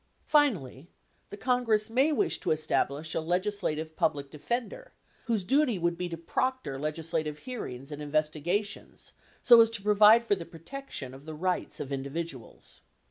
Finally, the Congress may wish to establish a Legislative Public Defender whose duty would be to proctor legislative hearings and investigations so as to provide for the protection of the rights of individuals.